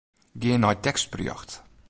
Gean nei tekstberjocht.